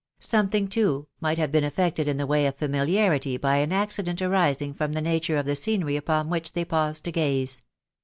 ' Something, too, might have been effected in the way of familiarity by an accident arising from the nature of the scenery upon which they paused to gaze.